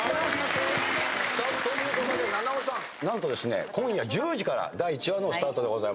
さあということで菜々緒さん何とですね今夜１０時から第１話のスタートでございますけども。